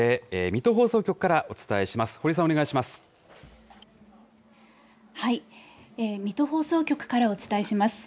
水戸放送局からお伝えします。